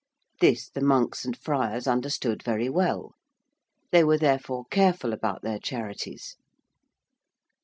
This the monks and friars understood very well. They were therefore careful about their charities.